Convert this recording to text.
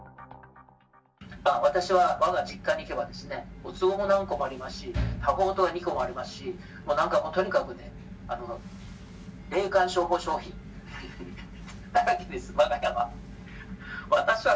まあ、私はわが実家に行けばですね、おつぼも何個もありますし、多宝塔も２個もありますし、なんかもうとにかくね、霊感商法商品だらけです、わが家は。